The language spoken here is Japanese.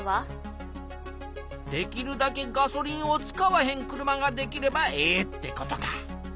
できるだけガソリンを使わへん車ができればええってことか。